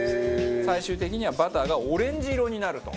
最終的にはバターがオレンジ色になると。